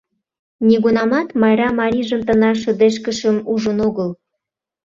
Нигунамат Майра марийжым тынар шыдешкышым ужын огыл.